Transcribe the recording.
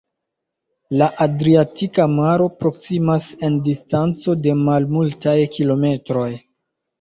La Adriatika Maro proksimas en distanco de malmultaj kilometroj.